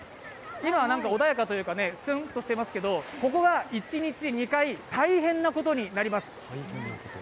今、穏やかというか、すんとしていますけど、ここが一日２回、大変なことになります。